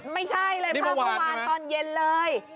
ไม่ใช่เลยพอเมื่อวานตอนเย็นเลย